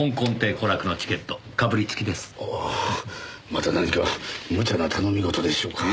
また何か無茶な頼み事でしょうか？